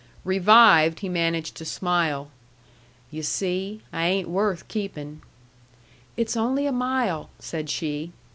Revived, he managed to smile. "Yu' see, I ain't worth keeping." "It's only a mile," said she.